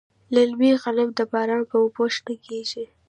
للمي غنم د باران په اوبو شنه کیږي.